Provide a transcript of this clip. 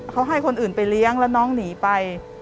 เขาให้คนอื่นไปเลี้ยงแล้วน้องหนีไป